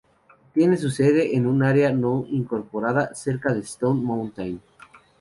Tiene su sede en un área no incorporada, cerca de Stone Mountain.